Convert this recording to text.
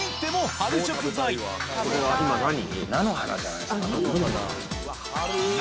これは今何に。